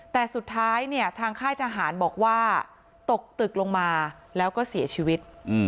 แต่สุดท้ายเนี่ยทางค่ายทหารบอกว่าตกตึกลงมาแล้วก็เสียชีวิต